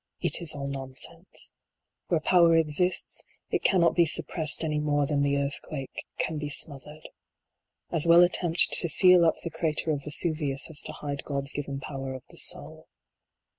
It is all nonsense. Where power exists, it cannot be suppressed any more than the earthquake can be smothered. As well attempt to seal up the crater of Vesuvius as to hide God s given power of the soul.